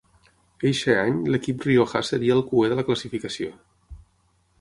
Eixe any l'equip riojà seria el cuer de la classificació.